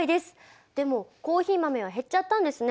でもコーヒー豆は減っちゃったんですね。